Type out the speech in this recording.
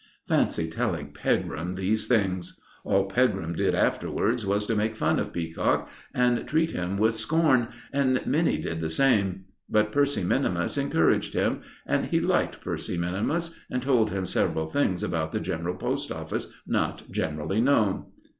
Fancy telling Pegram these things! All Pegram did afterwards was to make fun of Peacock and treat him with scorn, and many did the same; but Percy minimus encouraged him, and he liked Percy minimus, and told him several things about the General Post Office not generally known.